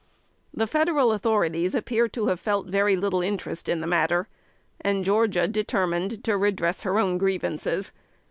The Federal authorities appear to have felt very little interest in the matter, and Georgia determined to redress her own grievances.